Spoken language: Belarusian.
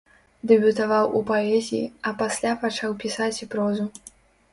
Дэбютаваў у паэзіі, а пасля пачаў пісаць і прозу.